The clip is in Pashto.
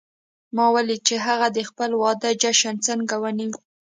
ما ولیدل چې هغې د خپل واده جشن څنګه ونیو